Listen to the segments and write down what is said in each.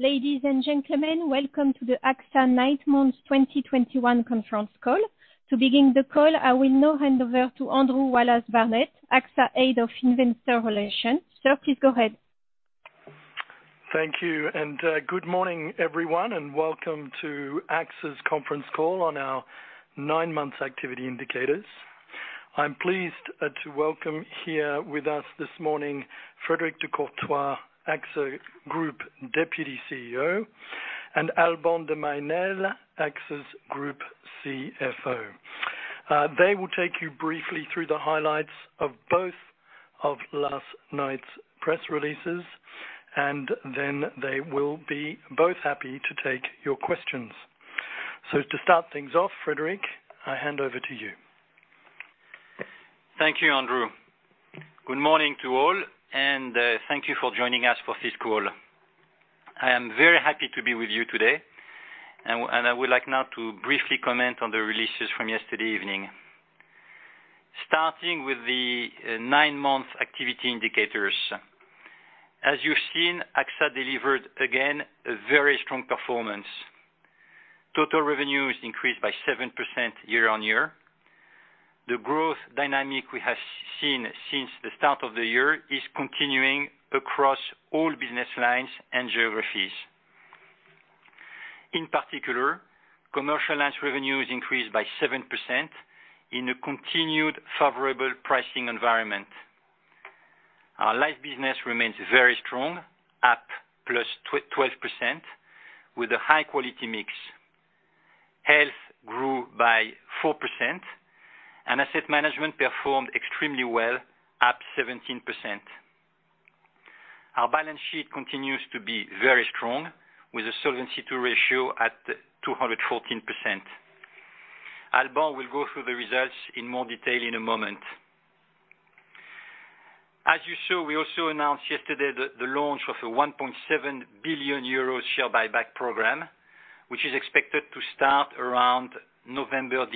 Ladies and gentlemen, welcome to the AXA nine months 2021 conference call. To begin the call, I will now hand over to Andrew Wallace-Barnett, AXA Head of Investor Relations. Sir, please go ahead. Thank you, and good morning, everyone, and welcome to AXA's conference call on our nine months activity indicators. I'm pleased to welcome here with us this morning Frédéric de Courtois, AXA Group Deputy CEO, and Alban de Mailly Nesle, AXA's Group CFO. They will take you briefly through the highlights of both of last night's press releases, and then they will be both happy to take your questions. To start things off, Frédéric, I hand over to you. Thank you, Andrew. Good morning to all, and thank you for joining us for this call. I am very happy to be with you today, and I would like now to briefly comment on the releases from yesterday evening. Starting with the nine-month activity indicators. As you've seen, AXA delivered again a very strong performance. Total revenues increased by 7% year-on-year. The growth dynamic we have seen since the start of the year is continuing across all business lines and geographies. In particular, commercial lines revenues increased by 7% in a continued favorable pricing environment. Our life business remains very strong, up +12% with a high quality mix. Health grew by 4%, and asset management performed extremely well, up 17%. Our balance sheet continues to be very strong, with a Solvency II ratio at 214%. Alban will go through the results in more detail in a moment. As you saw, we also announced yesterday the launch of a 1.7 billion euro share buyback program, which is expected to start around November 8.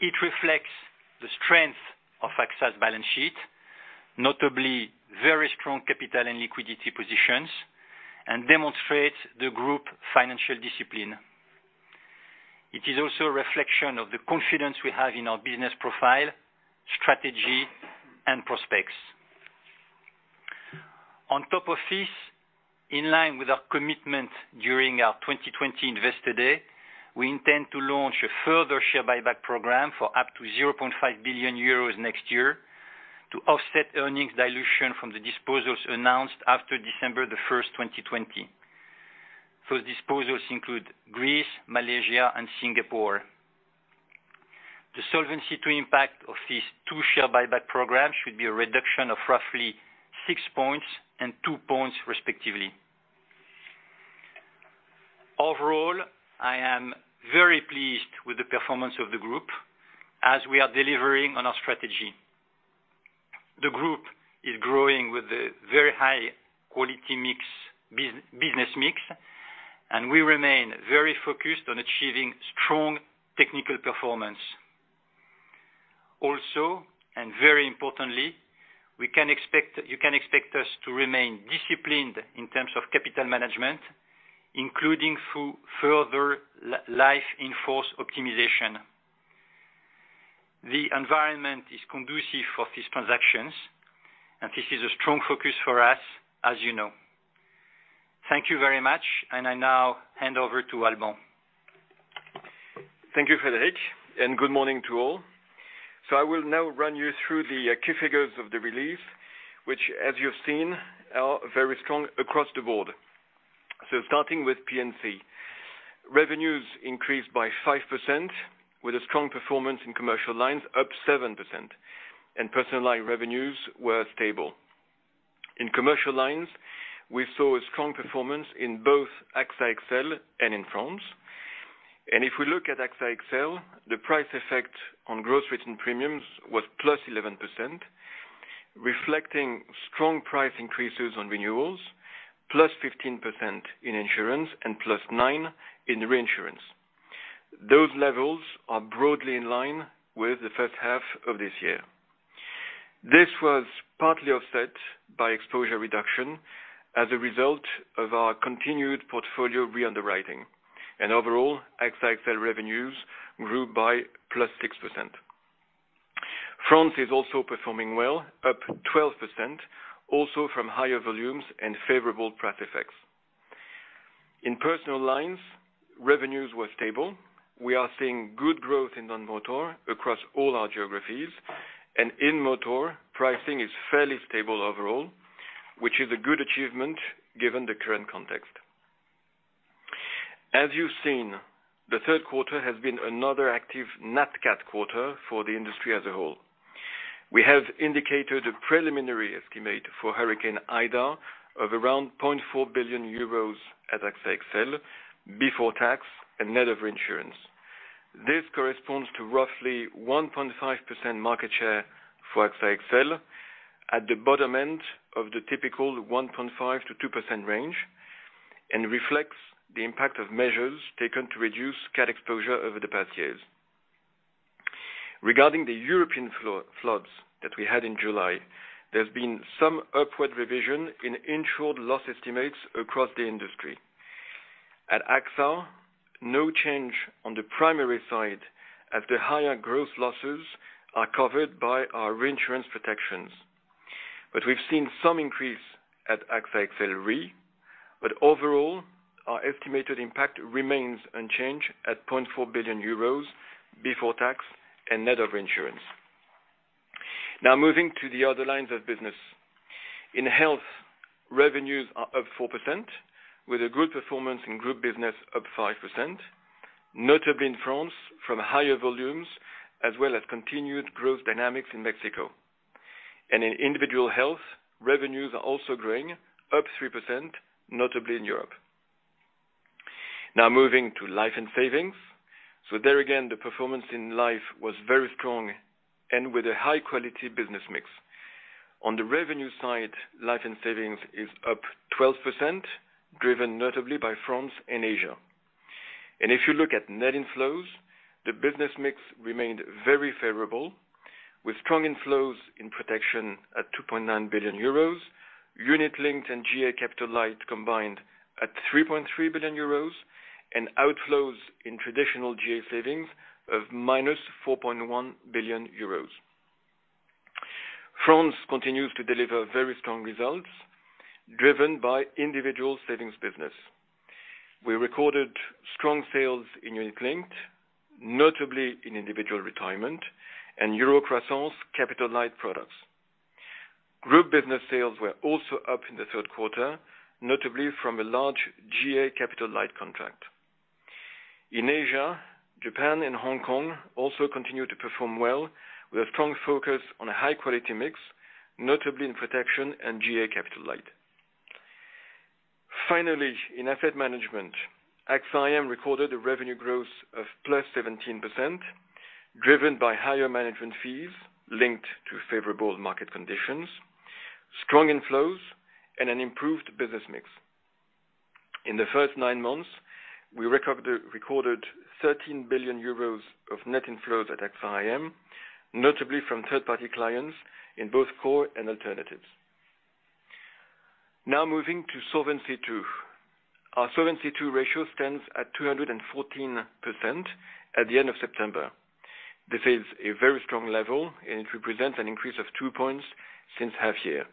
It reflects the strength of AXA's balance sheet, notably very strong capital and liquidity positions, and demonstrates the group financial discipline. It is also a reflection of the confidence we have in our business profile, strategy, and prospects. On top of this, in line with our commitment during our 2020 Investor Day, we intend to launch a further share buyback program for up to 0.5 billion euros next year to offset earnings dilution from the disposals announced after December 1, 2020. Those disposals include Greece, Malaysia, and Singapore. The Solvency II impact of these two share buyback programs should be a reduction of roughly six points and two points respectively. Overall, I am very pleased with the performance of the group as we are delivering on our strategy. The group is growing with a very high quality mix, business mix, and we remain very focused on achieving strong technical performance. Also, very importantly, you can expect us to remain disciplined in terms of capital management, including through further life in-force optimization. The environment is conducive for these transactions, and this is a strong focus for us, as you know. Thank you very much, and I now hand over to Alban. Thank you, Frédéric, and good morning to all. I will now run you through the key figures of the release, which, as you've seen, are very strong across the board. Starting with P&C, revenues increased by 5% with a strong performance in commercial lines up 7%, and personal line revenues were stable. In commercial lines, we saw a strong performance in both AXA XL and in France. If we look at AXA XL, the price effect on gross written premiums was +11%, reflecting strong price increases on renewals, +15% in insurance and +9% in reinsurance. Those levels are broadly in line with the first half of this year. This was partly offset by exposure reduction as a result of our continued portfolio re-underwriting. Overall, AXA XL revenues grew by +6%. France is also performing well, up 12%, also from higher volumes and favorable price effects. In personal lines, revenues were stable. We are seeing good growth in non-motor across all our geographies, and in motor, pricing is fairly stable overall, which is a good achievement given the current context. As you've seen, the third quarter has been another active Nat Cat quarter for the industry as a whole. We have indicated a preliminary estimate for Hurricane Ida of around 0.4 billion euros at AXA XL before tax and net of reinsurance. This corresponds to roughly 1.5% market share for AXA XL at the bottom end of the typical 1.5%-2% range and reflects the impact of measures taken to reduce cat exposure over the past years. Regarding the European floods that we had in July, there's been some upward revision in insured loss estimates across the industry. At AXA, no change on the primary side as the higher growth losses are covered by our reinsurance protections. We've seen some increase at AXA XL Re. Overall, our estimated impact remains unchanged at 0.4 billion euros before tax and net of reinsurance. Now moving to the other lines of business. In health, revenues are up 4%, with a good performance in group business up 5%, notably in France from higher volumes, as well as continued growth dynamics in Mexico. In individual health, revenues are also growing up 3%, notably in Europe. Now moving to life and savings. There again, the performance in life was very strong and with a high quality business mix. On the revenue side, life and savings is up 12%, driven notably by France and Asia. If you look at net inflows, the business mix remained very favorable with strong inflows in protection at 2.9 billion euros, unit-linked and GA Capital Light combined at 3.3 billion euros, and outflows in traditional GA savings of -4.1 billion euros. France continues to deliver very strong results driven by individual savings business. We recorded strong sales in unit-linked, notably in individual retirement and Eurocroissance capital-light products. Group business sales were also up in the third quarter, notably from a large GA Capital Light contract. In Asia, Japan and Hong Kong also continue to perform well with a strong focus on a high quality mix, notably in protection and GA Capital Light. Finally, in asset management, AXA IM recorded a revenue growth of +17%, driven by higher management fees linked to favorable market conditions, strong inflows, and an improved business mix. In the first nine months, we recorded 13 billion euros of net inflows at AXA IM, notably from third-party clients in both core and alternatives. Now moving to Solvency II. Our Solvency II ratio stands at 214% at the end of September. This is a very strong level, and it represents an increase of two points since half year.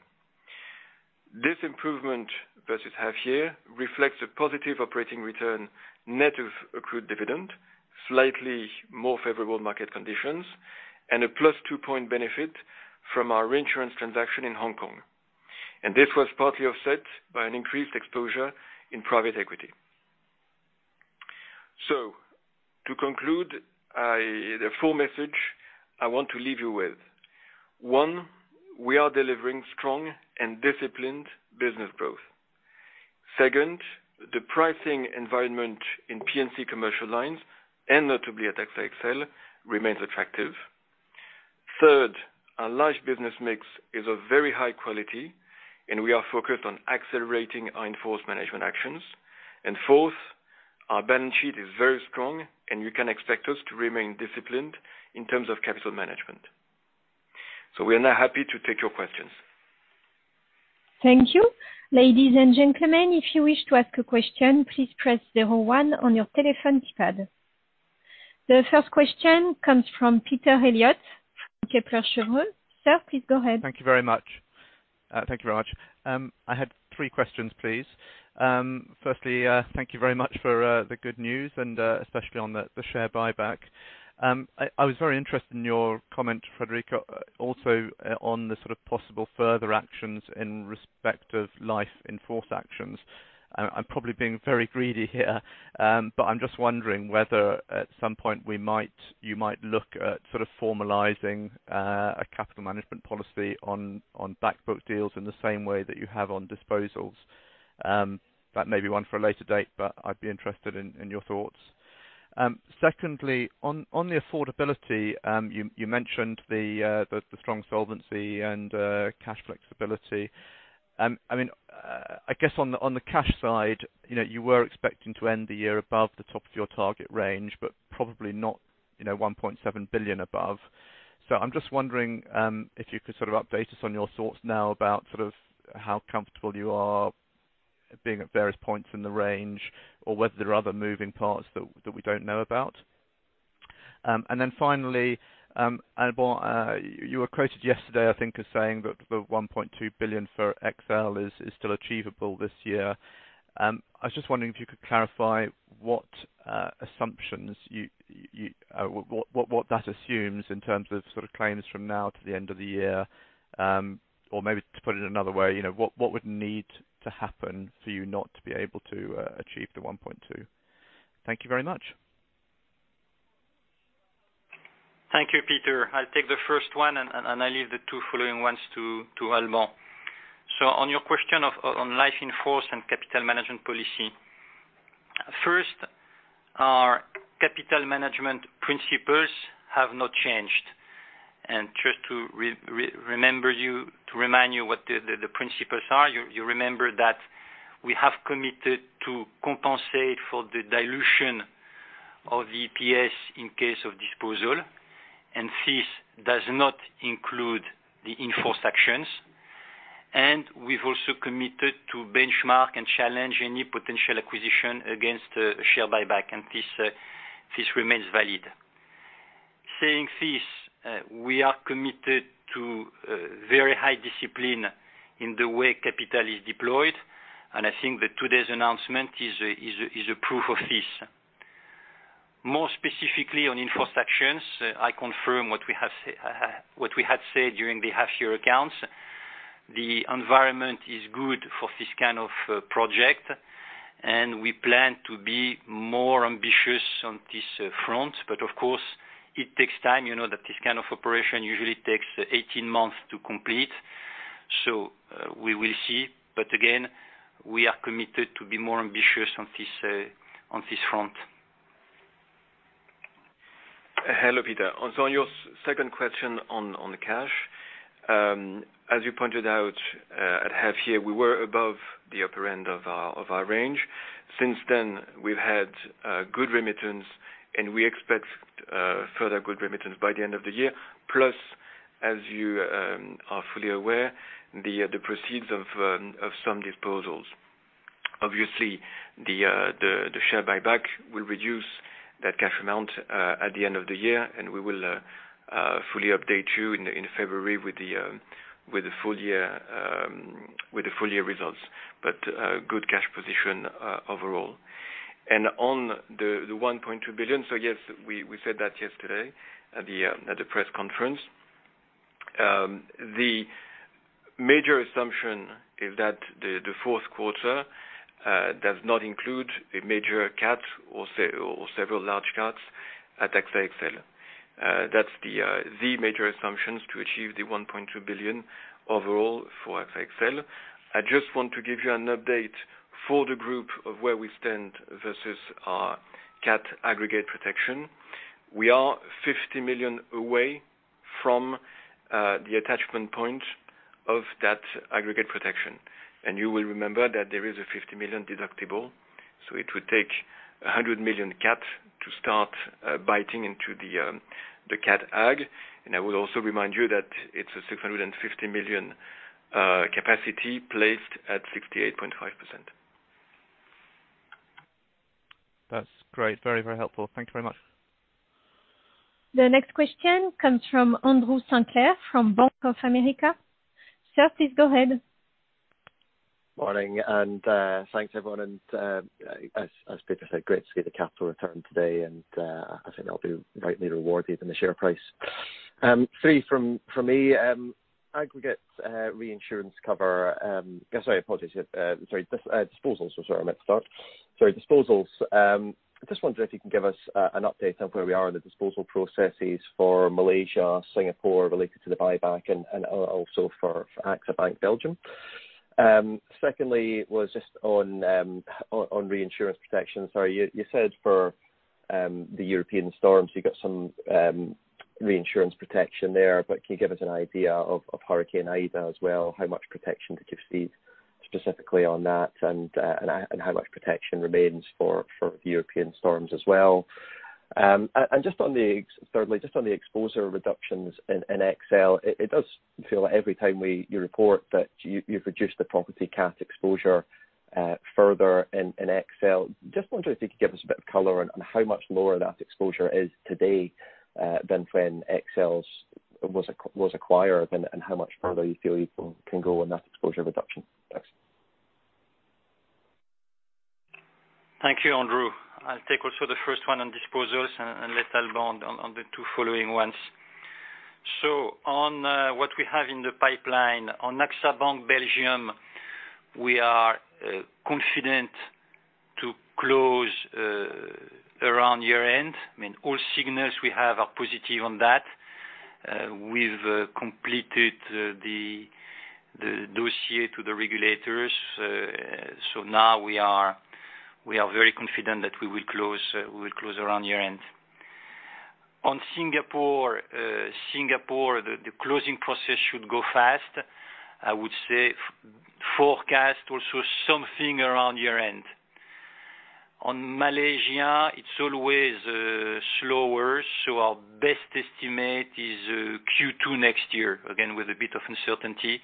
This improvement versus half year reflects a positive operating return, net of accrued dividend, slightly more favorable market conditions, and a +2-point benefit from our reinsurance transaction in Hong Kong. This was partly offset by an increased exposure in private equity. To conclude, the full message I want to leave you with. One, we are delivering strong and disciplined business growth. Second, the pricing environment in P&C commercial lines, and notably at AXA XL, remains attractive. Third, our large business mix is of very high quality, and we are focused on accelerating our in-force management actions. Fourth, our balance sheet is very strong, and you can expect us to remain disciplined in terms of capital management. We are now happy to take your questions. Thank you. Ladies and gentlemen, if you wish to ask a question, please press zero one on your telephone keypad. The first question comes from Peter Eliot, Kepler Cheuvreux. Sir, please go ahead. Thank you very much. I had three questions, please. Firstly, thank you very much for the good news and especially on the share buyback. I was very interested in your comment, Frédéric, also on the sort of possible further actions in respect of life in force actions. I'm probably being very greedy here, but I'm just wondering whether at some point you might look at sort of formalizing a capital management policy on back book deals in the same way that you have on disposals. That may be one for a later date, but I'd be interested in your thoughts. Secondly, on the affordability, you mentioned the strong solvency and cash flexibility. I mean, I guess on the cash side, you know, you were expecting to end the year above the top of your target range, but probably not, you know, 1.7 billion above. I'm just wondering if you could sort of update us on your thoughts now about sort of how comfortable you are being at various points in the range or whether there are other moving parts that we don't know about. Finally, Alban, you were quoted yesterday, I think, as saying that the 1.2 billion for XL is still achievable this year. I was just wondering if you could clarify what that assumes in terms of sort of claims from now to the end of the year. Maybe to put it another way, you know, what would need to happen for you not to be able to achieve the 1.2? Thank you very much. Thank you, Peter. I'll take the first one and I leave the two following ones to Alban. On your question on life in force and capital management policy, first, our capital management principles have not changed. Just to remember you, to remind you what the principles are, you remember that we have committed to compensate for the dilution of EPS in case of disposal, and this does not include the in-force actions. We've also committed to benchmark and challenge any potential acquisition against a share buyback, and this remains valid. Saying this, we are committed to very high discipline in the way capital is deployed, and I think that today's announcement is a proof of this. More specifically on in-force actions, I confirm what we had said during the half-year accounts. The environment is good for this kind of project, and we plan to be more ambitious on this front. Of course it takes time. You know that this kind of operation usually takes 18 months to complete, so we will see. Again, we are committed to be more ambitious on this, on this front. Hello, Peter. On your second question on the cash, as you pointed out, at half year, we were above the upper end of our range. Since then, we've had good remittance, and we expect further good remittance by the end of the year, plus, as you are fully aware, the proceeds of some disposals. Obviously, the share buyback will reduce that cash amount at the end of the year, and we will fully update you in February with the full year results. Good cash position overall. On the 1.2 billion, so yes, we said that yesterday at the press conference. The major assumption is that the fourth quarter does not include a major cat or several large cats at AXA XL. That's the major assumptions to achieve the 1.2 billion overall for AXA XL. I just want to give you an update for the group of where we stand versus our cat aggregate protection. We are 50 million away from the attachment point of that aggregate protection, and you will remember that there is a 50 million deductible, so it would take 100 million cat to start biting into the cat agg. I will also remind you that it's a 650 million capacity placed at 68.5%. That's great. Very, very helpful. Thank you very much. The next question comes from Andrew Sinclair from Bank of America. Sir, please go ahead. Morning, thanks everyone. As Peter said, great to see the capital return today, I think that'll be rightly rewarded in the share price. Three from me. Disposals. I just wondered if you can give us an update on where we are in the disposal processes for Malaysia, Singapore related to the buyback and also for AXA Bank Belgium. Secondly was just on reinsurance protection. You said for the European storms, you got some reinsurance protection there, but can you give us an idea of Hurricane Ida as well? How much protection did you see specifically on that and how much protection remains for the European storms as well? Thirdly, just on the exposure reductions in XL, it does feel like every time you report that you've reduced the property cat exposure further in XL. Just wondering if you could give us a bit of color on how much lower that exposure is today than when XL was acquired and how much further you feel you can go in that exposure reduction. Thanks. Thank you, Andrew. I'll take also the first one on disposals and let Alban on the two following ones. What we have in the pipeline, on AXA Bank Belgium, we are confident to close around year-end. I mean, all signals we have are positive on that. We've completed the dossier to the regulators, so now we are very confident that we will close around year-end. On Singapore, the closing process should go fast. I would say forecast also something around year-end. On Malaysia, it's always slower, so our best estimate is Q2 next year, again, with a bit of uncertainty.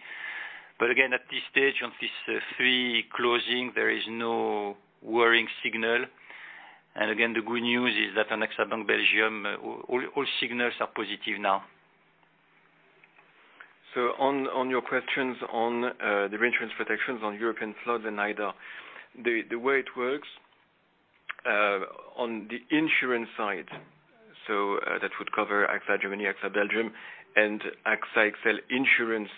But again, at this stage, on these three closing, there is no worrying signal. Again, the good news is that on AXA Bank Belgium, all signals are positive now. On your questions on the reinsurance protections on European floods and Ida, the way it works on the insurance side, that would cover AXA Germany, AXA Belgium, and AXA XL Insurance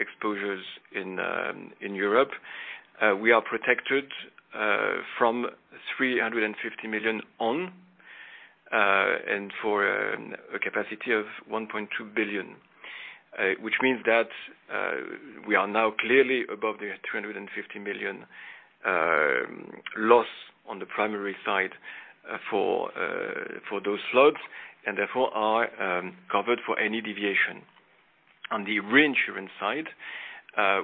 exposures in Europe, we are protected from 350 million on and for a capacity of 1.2 billion. Which means that we are now clearly above the 250 million loss on the primary side for those floods and therefore are covered for any deviation. On the reinsurance side,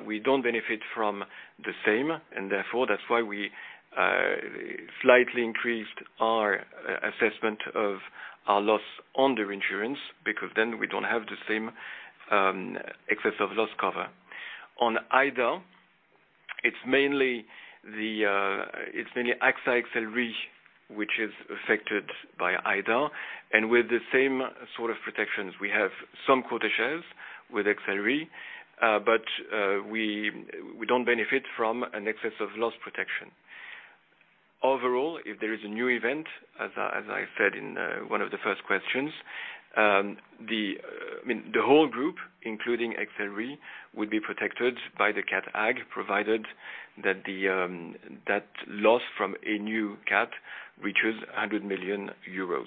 we don't benefit from the same, and therefore that's why we slightly increased our assessment of our loss on the reinsurance, because then we don't have the same excess of loss cover. On Ida, it's mainly AXA XL Re which is affected by Hurricane Ida. With the same sort of protections, we have some quota shares with XL Re, but we don't benefit from an excess of loss protection. Overall, if there is a new event, as I said in one of the first questions, I mean, the whole group, including XL Re, would be protected by the cat agg, provided that the loss from a new cat reaches 100 million euros.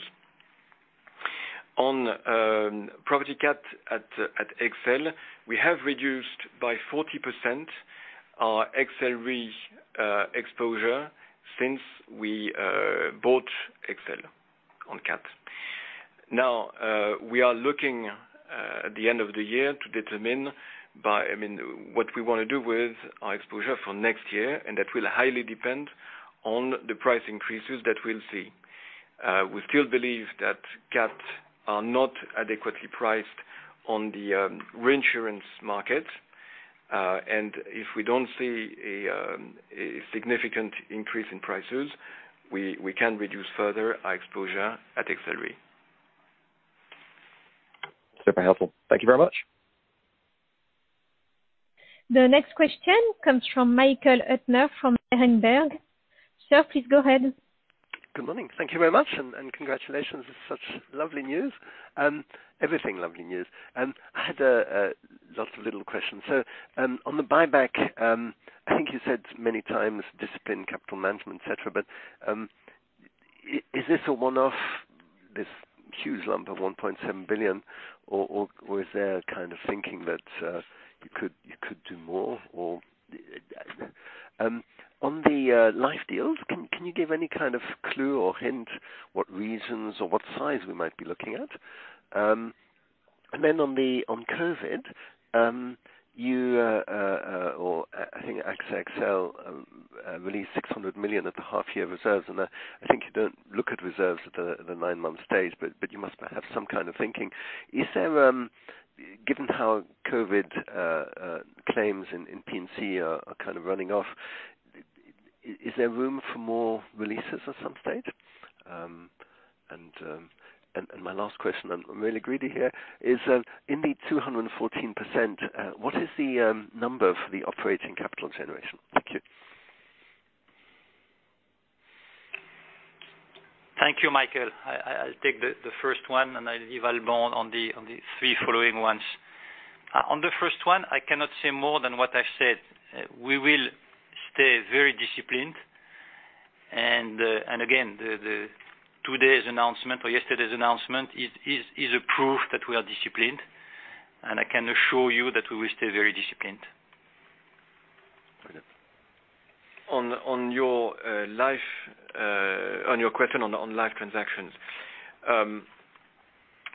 On property cat at XL, we have reduced by 40% our XL Re exposure since we bought XL on cat. Now, we are looking at the end of the year to determine by... I mean, what we wanna do with our exposure for next year, and that will highly depend on the price increases that we'll see. We still believe that cats are not adequately priced on the reinsurance market. If we don't see a significant increase in prices, we can reduce further our exposure at XL Re. Super helpful. Thank you very much. The next question comes from Michael Huttner from Berenberg. Sir, please go ahead. Good morning. Thank you very much and congratulations. It's such lovely news. Everything lovely news. I had a lot of little questions. On the buyback, I think you said many times discipline, capital management, et cetera, but is this a one-off, this huge lump of 1.7 billion, or was there kind of thinking that you could do more, or. On the life deals, can you give any kind of clue or hint what reasons or what size we might be looking at? Then on the COVID, or I think AXA XL released 600 million at the half-year reserves, and I think you don't look at reserves at the nine-month stage, but you must have some kind of thinking. Is there, given how COVID claims in P&C are kind of running off, is there room for more releases at some stage? My last question, I'm really greedy here, is, in the 214%, what is the number for the operating capital generation? Thank you. Thank you, Michael. I'll take the first one, and I'll leave Alban on the three following ones. On the first one, I cannot say more than what I said. We will stay very disciplined. Again, today's announcement or yesterday's announcement is a proof that we are disciplined, and I can assure you that we will stay very disciplined. Alban. On your question on life transactions.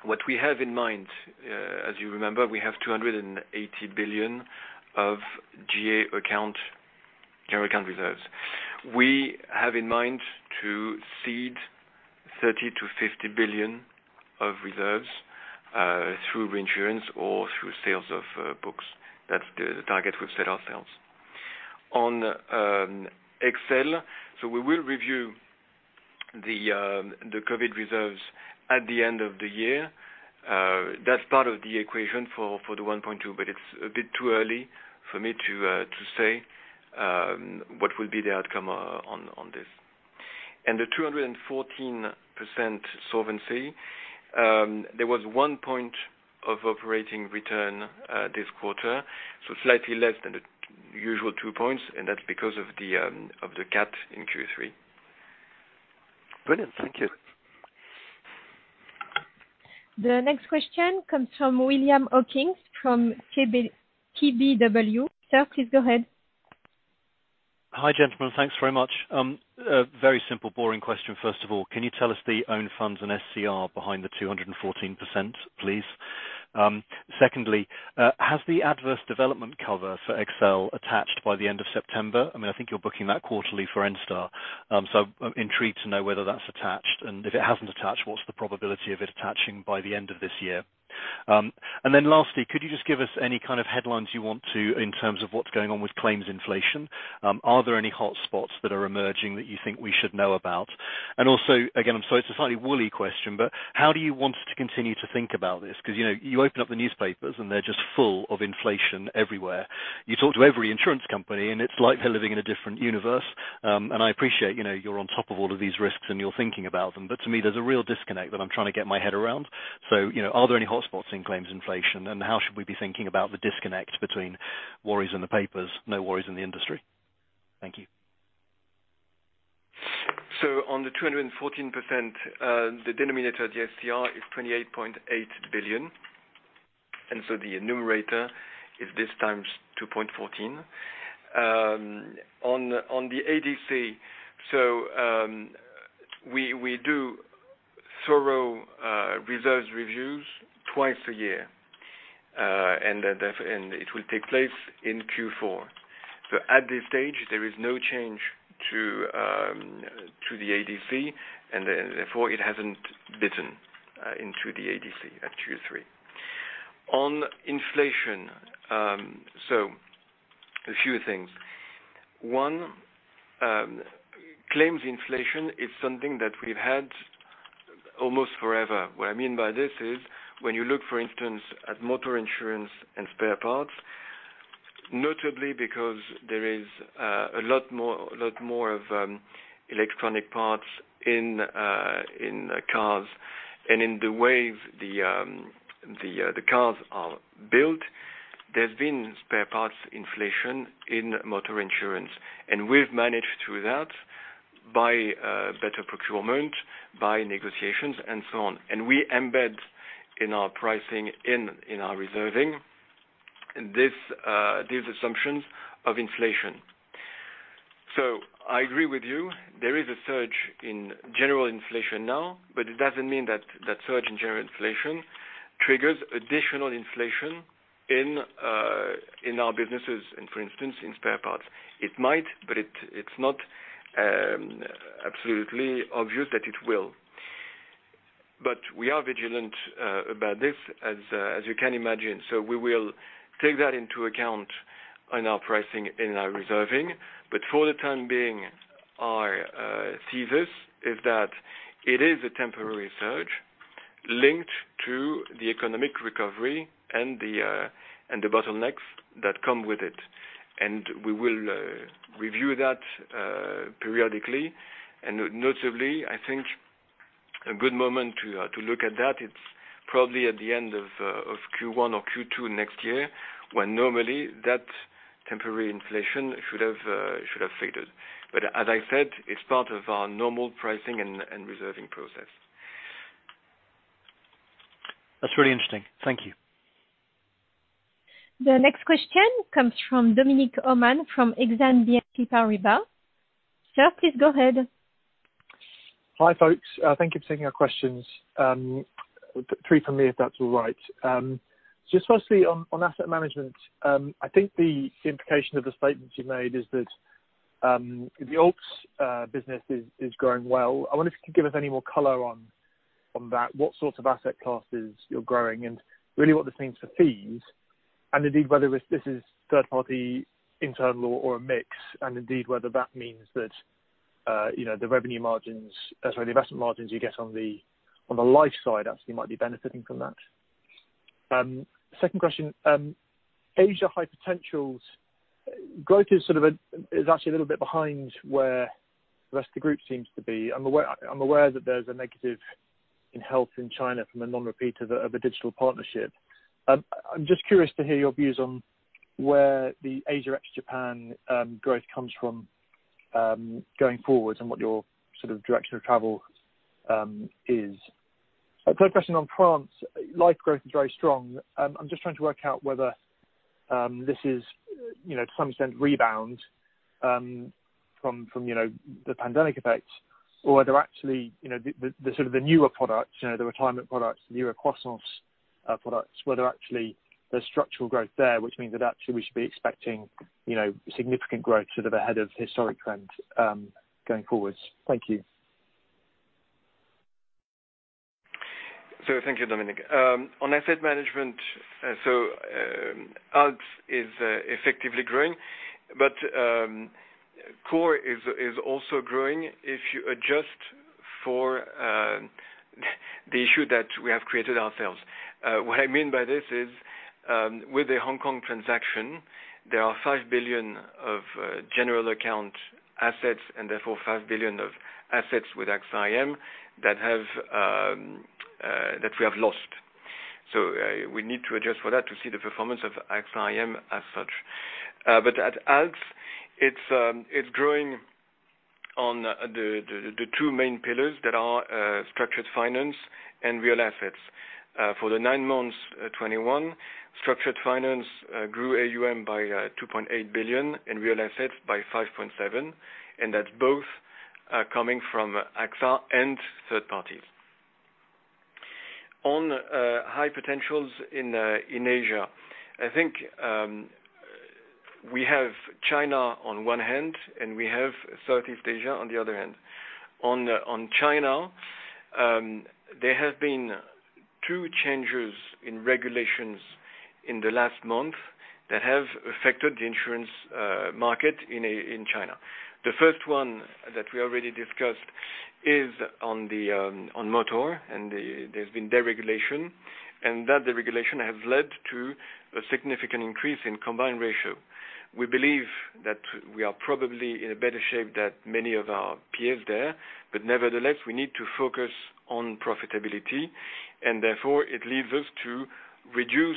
What we have in mind, as you remember, we have 280 billion of GA account, general account reserves. We have in mind to cede 30 billion-50 billion of reserves through reinsurance or through sales of books. That's the target we've set ourselves. On XL, we will review the COVID reserves at the end of the year. That's part of the equation for the 1.2, but it's a bit too early for me to say what will be the outcome on this. The 214% Solvency II, there was 1 point of operating return this quarter, so slightly less than the usual two points, and that's because of the cat in Q3. Brilliant. Thank you. The next question comes from William Hawkins from KBW. Sir, please go ahead. Hi, gentlemen. Thanks very much. A very simple, boring question first of all. Can you tell us the own funds and SCR behind the 214%, please? Secondly, has the adverse development cover for XL attached by the end of September? I mean, I think you're booking that quarterly for Enstar. So I'm intrigued to know whether that's attached, and if it hasn't attached, what's the probability of it attaching by the end of this year? And then lastly, could you just give us any kind of headlines you want to in terms of what's going on with claims inflation? Are there any hotspots that are emerging that you think we should know about? Also, again, I'm sorry, it's a slightly wooly question, but how do you want to continue to think about this? 'Cause, you know, you open up the newspapers, and they're just full of inflation everywhere. You talk to every insurance company, and it's like they're living in a different universe. I appreciate, you know, you're on top of all of these risks, and you're thinking about them, but to me, there's a real disconnect that I'm trying to get my head around. You know, are there any hotspots in claims inflation, and how should we be thinking about the disconnect between worries in the papers, no worries in the industry? Thank you. On the 214%, the denominator of the SCR is 28.8 billion. The numerator is this times 2.14. On the ADC, we do thorough reserves reviews twice a year, and it will take place in Q4. At this stage, there is no change to the ADC, and therefore it hasn't bitten into the ADC at Q3. On inflation, a few things. One, claims inflation is something that we've had almost forever. What I mean by this is when you look, for instance, at motor insurance and spare parts, notably because there is a lot more of electronic parts in cars and in the way the cars are built. There's been spare parts inflation in motor insurance, and we've managed through that by better procurement, by negotiations, and so on. We embed in our pricing, in our reserving these assumptions of inflation. I agree with you. There is a surge in general inflation now, but it doesn't mean that surge in general inflation triggers additional inflation in our businesses and for instance, in spare parts. It might, but it's not absolutely obvious that it will. We are vigilant about this, as you can imagine, so we will take that into account in our pricing, in our reserving. For the time being, our thesis is that it is a temporary surge linked to the economic recovery and the bottlenecks that come with it. We will review that periodically. Notably, I think a good moment to look at that, it's probably at the end of Q1 or Q2 next year, when normally that temporary inflation should have faded. As I said, it's part of our normal pricing and reserving process. That's really interesting. Thank you. The next question comes from Dominic O'Mahony from Exane BNP Paribas. Sir, please go ahead. Hi, folks. Thank you for taking our questions. Three from me, if that's all right. Just firstly on asset management, I think the implication of the statements you made is that the Alts business is growing well. I wonder if you could give us any more color on that, what sorts of asset classes you're growing and really what this means for fees, and indeed, whether this is third party internal or a mix, and indeed, whether that means that you know the revenue margins, sorry, the investment margins you get on the life side actually might be benefiting from that. Second question, Asia high potentials growth is sort of actually a little bit behind where the rest of the group seems to be. I'm aware that there's a negative in health in China from a non-repeat of a digital partnership. I'm just curious to hear your views on where the Asia ex Japan growth comes from going forward and what your sort of direction of travel is. A third question on France, life growth is very strong. I'm just trying to work out whether this is, you know, to some extent rebound from, you know, the pandemic effects or are there actually, you know, the sort of newer products, you know, the retirement products, the Eurocroissance products, whether actually there's structural growth there, which means that actually we should be expecting, you know, significant growth sort of ahead of historic trends going forwards. Thank you. Thank you, Dominic. On asset management, Alts is effectively growing, but core is also growing if you adjust for the issue that we have created ourselves. What I mean by this is, with the Hong Kong transaction, there are 5 billion of general account assets, and therefore 5 billion of assets with AXA IM that we have lost. We need to adjust for that to see the performance of AXA IM as such. But at Alts, it is growing on the two main pillars that are structured finance and real assets. For the nine months 2021, structured finance grew AUM by 2.8 billion and real assets by 5.7 billion. And that's both coming from AXA and third parties. On high potentials in Asia. I think we have China on one hand, and we have Southeast Asia on the other hand. On China, there have been two changes in regulations in the last month that have affected the insurance market in China. The first one that we already discussed is on motor, and there's been deregulation, and that deregulation has led to a significant increase in combined ratio. We believe that we are probably in a better shape than many of our peers there, but nevertheless, we need to focus on profitability, and therefore it leads us to reduce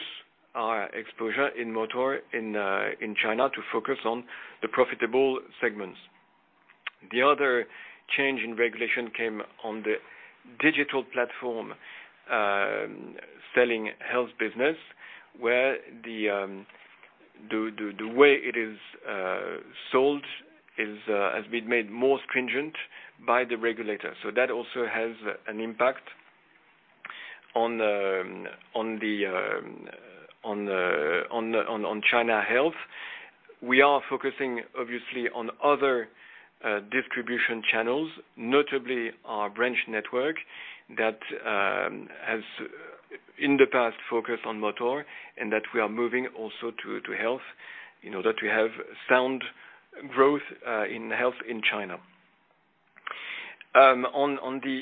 our exposure in motor in China to focus on the profitable segments. The other change in regulation came on the digital platform selling health business, where the way it is sold has been made more stringent by the regulator. That also has an impact on China Health. We are focusing obviously on other distribution channels, notably our branch network that has in the past focused on motor, and that we are moving also to health, you know, that we have sound growth in health in China. On the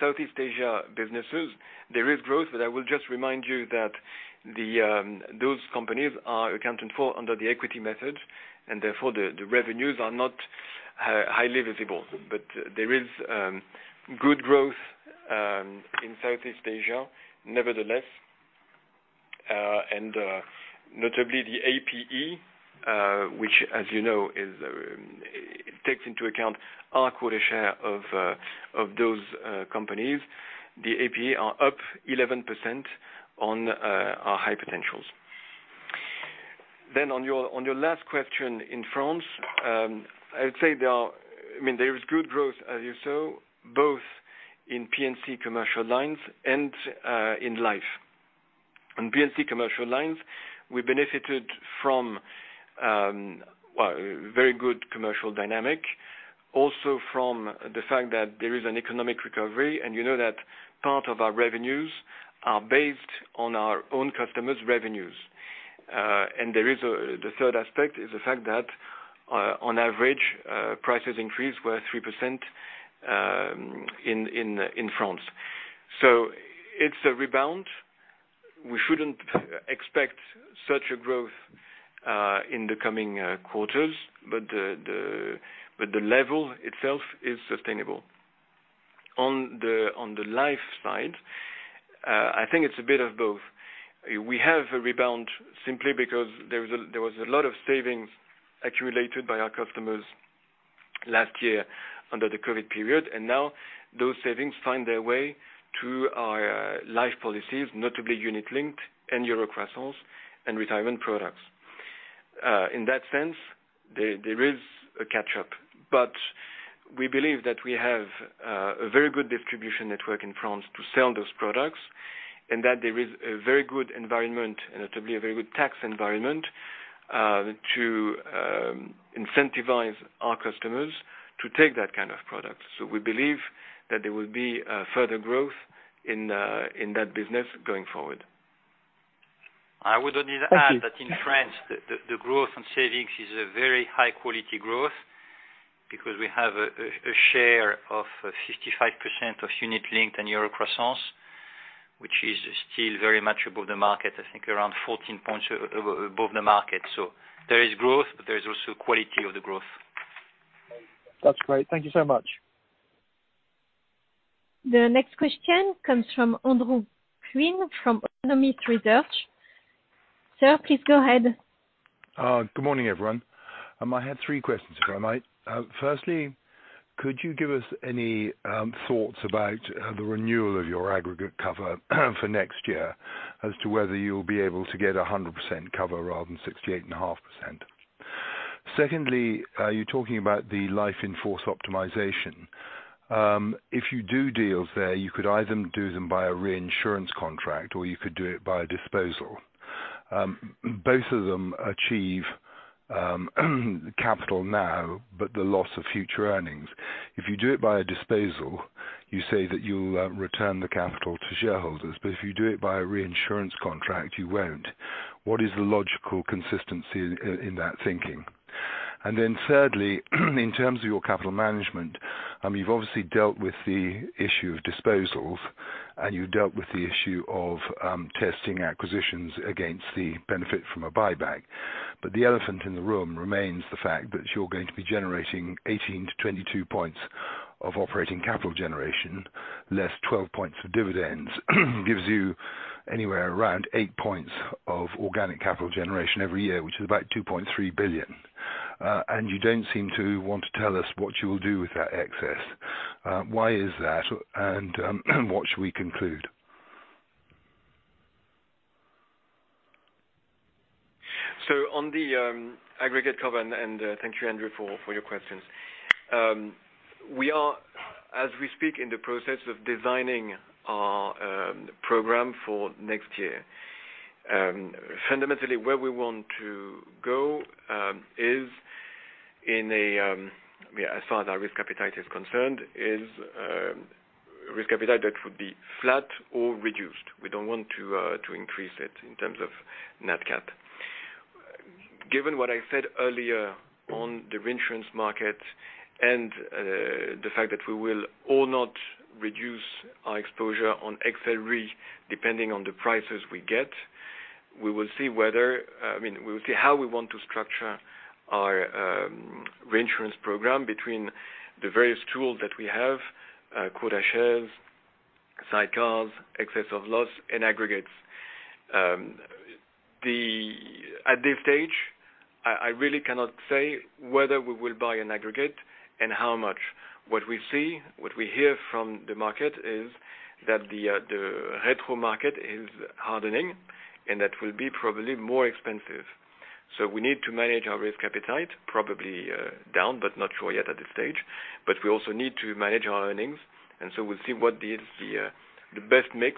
Southeast Asia businesses, there is growth, but I will just remind you that those companies are accounted for under the equity method, and therefore the revenues are not highly visible. There is good growth in Southeast Asia nevertheless. Notably the APE, which as you know takes into account our quota share of those companies. The APE are up 11% on our high potentials. On your last question in France, I would say there is good growth as you saw, both in P&C commercial lines and in life. On P&C commercial lines, we benefited from, well, very good commercial dynamics. Also from the fact that there is an economic recovery, and you know that part of our revenues are based on our own customers' revenues. There is the third aspect is the fact that on average, price increases were 3% in France. It's a rebound. We shouldn't expect such a growth in the coming quarters, but the level itself is sustainable. On the life side, I think it's a bit of both. We have a rebound simply because there was a lot of savings accumulated by our customers last year under the COVID period, and now those savings find their way to our life policies, notably unit linked and Eurocroissance and retirement products. In that sense, there is a catch-up, but we believe that we have a very good distribution network in France to sell those products, and that there is a very good environment and notably a very good tax environment to incentivize our customers to take that kind of product. We believe that there will be further growth in that business going forward. I would only add that in France, the growth in savings is a very high quality growth because we have a share of 55% of unit linked in Eurocroissance, which is still very much above the market, I think around 14 points above the market. There is growth, but there is also quality of the growth. That's great. Thank you so much. The next question comes from Andrew Crean from Autonomous Research. Sir, please go ahead. Good morning, everyone. I had three questions, if I might. Firstly, could you give us any thoughts about the renewal of your aggregate cover for next year as to whether you'll be able to get 100% cover rather than 68.5%? Secondly, are you talking about the life in force optimization? If you do deals there, you could either do them by a reinsurance contract, or you could do it by a disposal. Both of them achieve capital now, but the loss of future earnings. If you do it by a disposal, you say that you'll return the capital to shareholders. If you do it by a reinsurance contract, you won't. What is the logical consistency in that thinking? Thirdly, in terms of your capital management, you've obviously dealt with the issue of disposals, and you've dealt with the issue of testing acquisitions against the benefit from a buyback. The elephant in the room remains the fact that you're going to be generating 18%-22% of operating capital generation, less 12% for dividends, gives you anywhere around 8% of organic capital generation every year, which is about 2.3 billion. You don't seem to want to tell us what you will do with that excess. Why is that? What should we conclude? On the aggregate cover, and thank you, Andrew, for your questions. We are, as we speak, in the process of designing our program for next year. Fundamentally, where we want to go is in a as far as our risk appetite is concerned is risk appetite that would be flat or reduced. We don't want to increase it in terms of net cat. Given what I said earlier on the reinsurance market and the fact that we will or not reduce our exposure on XL Re depending on the prices we get, we will see whether, I mean, we will see how we want to structure our reinsurance program between the various tools that we have, quota shares, sidecars, excess of loss, and aggregates. At this stage, I really cannot say whether we will buy an aggregate and how much. What we see, what we hear from the market is that the retro market is hardening and that will be probably more expensive. We need to manage our risk appetite, probably down, but not sure yet at this stage. We also need to manage our earnings, and so we'll see what is the best mix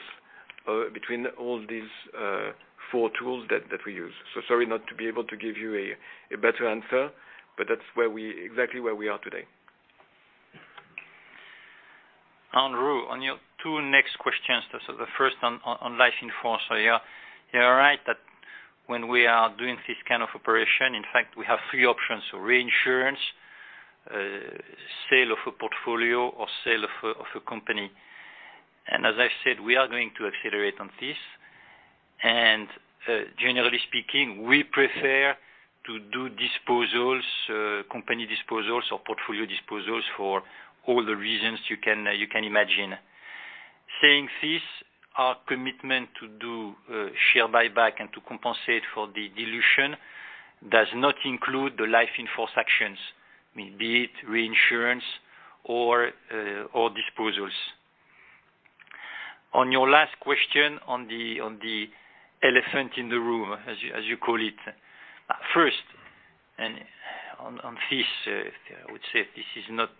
between all these four tools that we use. Sorry not to be able to give you a better answer, but that's exactly where we are today. Andrew, on your two next questions. The first one on life in France. You're right that when we are doing this kind of operation, in fact we have three options, reinsurance, sale of a portfolio, or sale of a company. As I said, we are going to accelerate on this. Generally speaking, we prefer to do disposals, company disposals or portfolio disposals for all the reasons you can imagine. Saying this, our commitment to do share buyback and to compensate for the dilution does not include the life in force actions, be it reinsurance or disposals. On your last question on the elephant in the room, as you call it. First, on this, I would say this is not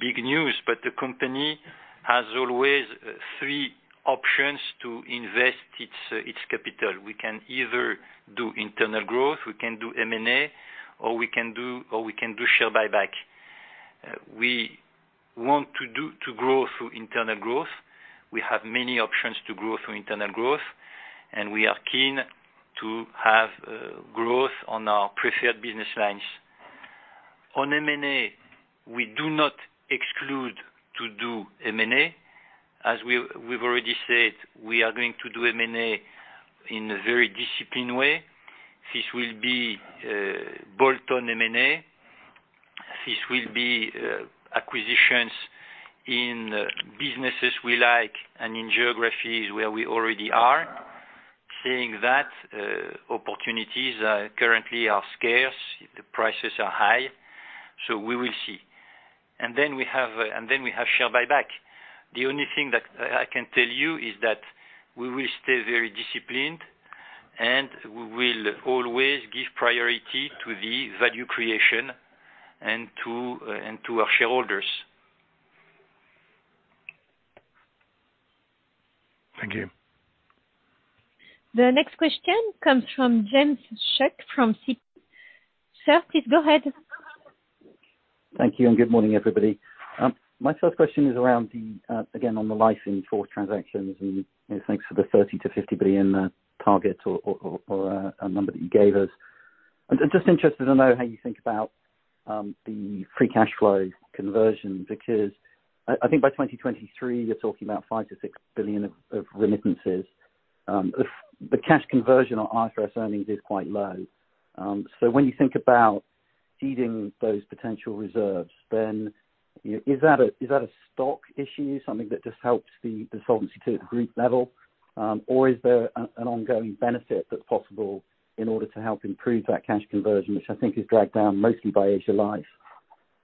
big news, but the company has always three options to invest its capital. We can either do internal growth, we can do M&A, or we can do share buyback. We want to grow through internal growth. We have many options to grow through internal growth, and we are keen to have growth on our preferred business lines. On M&A, we do not exclude to do M&A. As we've already said, we are going to do M&A in a very disciplined way. This will be bolt-on M&A. This will be acquisitions in businesses we like and in geographies where we already are. Saying that, opportunities currently are scarce, the prices are high, so we will see. We have share buyback. The only thing that I can tell you is that we will stay very disciplined, and we will always give priority to the value creation and to our shareholders. Thank you. The next question comes from James Shuck from Citi. Sir, please go ahead. Thank you, and good morning, everybody. My first question is around the, again, on the life in force transactions, and thanks for the 30 billion-50 billion target or a number that you gave us. I'm just interested to know how you think about the free cash flow conversion, because I think by 2023, you're talking about 5 billion-6 billion of remittances. The cash conversion on IFRS earnings is quite low. So when you think about ceding those potential reserves, then, you know, is that a stock issue, something that just helps the solvency at group level? Or is there an ongoing benefit that's possible in order to help improve that cash conversion, which I think is dragged down mostly by Asia Life?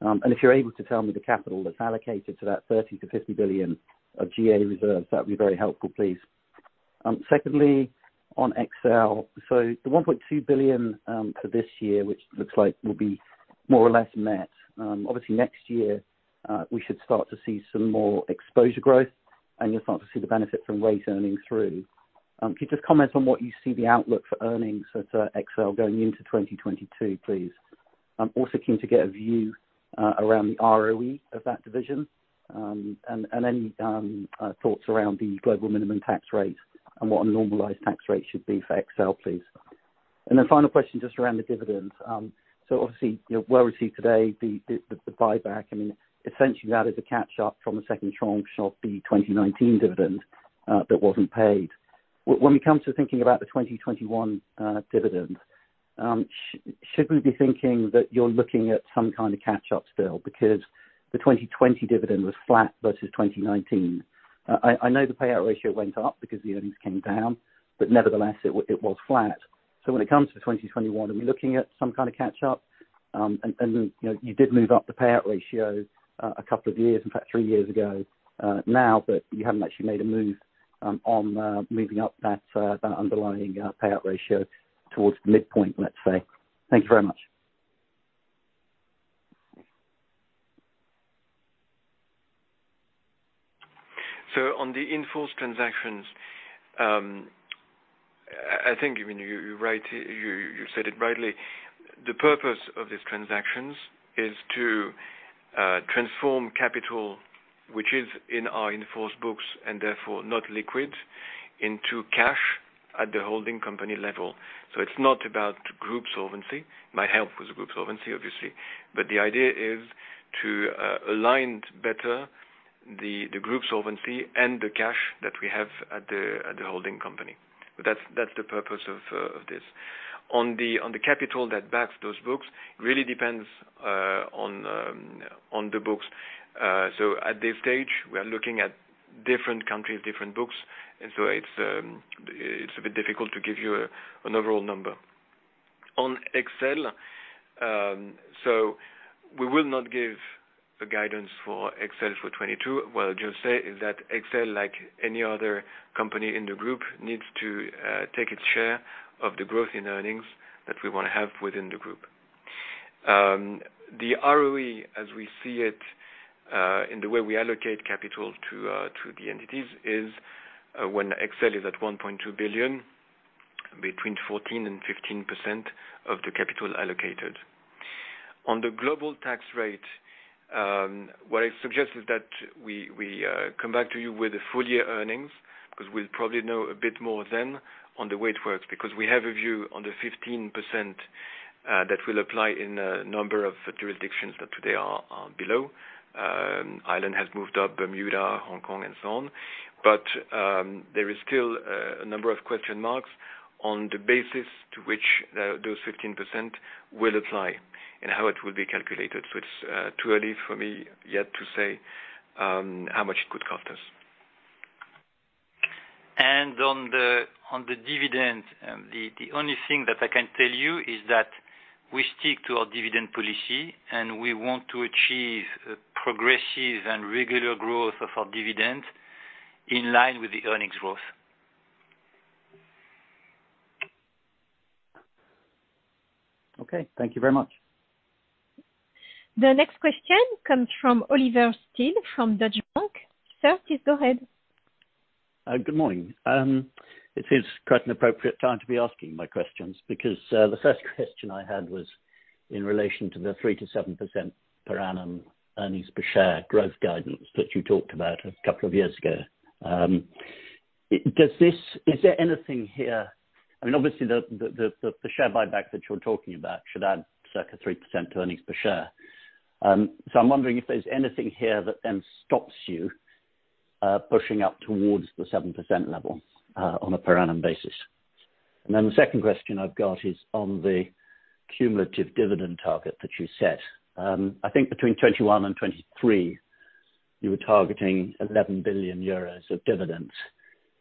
If you're able to tell me the capital that's allocated to that 30 billion-50 billion of GA reserves, that'd be very helpful, please. Secondly, on XL. The 1.2 billion for this year, which looks like will be more or less met, obviously next year, we should start to see some more exposure growth, and you'll start to see the benefit from rate earnings through. Could you just comment on what you see the outlook for earnings for XL going into 2022, please? I'm also keen to get a view around the ROE of that division, and any thoughts around the global minimum tax rate and what a normalized tax rate should be for XL, please. Then final question, just around the dividends. Obviously, you know, well received today the buyback. I mean, essentially that is a catch up from the second tranche of the 2019 dividend that wasn't paid. When we come to thinking about the 2021 dividend, should we be thinking that you're looking at some kind of catch up still? Because the 2020 dividend was flat versus 2019. I know the payout ratio went up because the earnings came down, but nevertheless, it was flat. When it comes to 2021, are we looking at some kind of catch up? You know, you did move up the payout ratio a couple of years, in fact 3 years ago, now, but you haven't actually made a move on moving up that underlying payout ratio towards the midpoint, let's say. Thank you very much. On the in-force transactions, I think, I mean, you're right, you said it rightly. The purpose of these transactions is to transform capital, which is in our in-force books and therefore not liquid, into cash at the holding company level. It's not about group solvency. It might help with group solvency, obviously. The idea is to align better the group solvency and the cash that we have at the holding company. That's the purpose of this. On the capital that backs those books, really depends on the books. At this stage, we are looking at different countries, different books, and it's a bit difficult to give you an overall number. On XL, we will not give a guidance for XL for 2022. What I'll just say is that XL, like any other company in the group, needs to take its share of the growth in earnings that we wanna have within the group. The ROE, as we see it, in the way we allocate capital to the entities is, when XL is at EUR 1.2 billion, 14%-15% of the capital allocated. On the global tax rate, what I suggest is that we come back to you with the full year earnings because we'll probably know a bit more then on the way it works, because we have a view on the 15% that will apply in a number of jurisdictions that today are below. Ireland has moved up Bermuda, Hong Kong, and so on. there is still a number of question marks on the basis to which those 15% will apply and how it will be calculated. It's too early for me yet to say how much it could cost us. On the dividend, the only thing that I can tell you is that we stick to our dividend policy, and we want to achieve progressive and regular growth of our dividend in line with the earnings growth. Okay. Thank you very much. The next question comes from Oliver Steel from Deutsche Bank. Sir, please go ahead. Good morning. It is quite an appropriate time to be asking my questions because the first question I had was in relation to the 3%-7% per annum earnings per share growth guidance that you talked about a couple of years ago. Does this... Is there anything here... I mean, obviously, the share buyback that you're talking about should add circa 3% to earnings per share. I'm wondering if there's anything here that then stops you pushing up towards the 7% level on a per annum basis. The second question I've got is on the cumulative dividend target that you set. I think between 2021 and 2023, you were targeting 11 billion euros of dividends.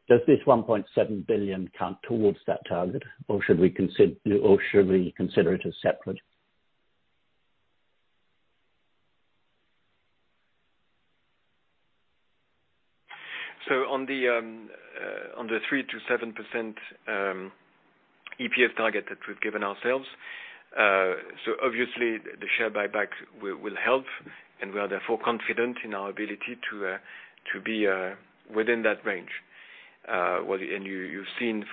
Does this 1.7 billion count towards that target, or should we consider it as separate? On the 3%-7% EPS target that we've given ourselves, so obviously the share buyback will help, and we are therefore confident in our ability to be within that range. You've seen